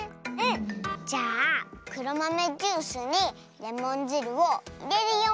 じゃあくろまめジュースにレモンじるをいれるよ。